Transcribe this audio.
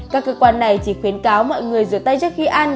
các cơ quan này chỉ khuyến cáo mọi người rửa tay trước khi ăn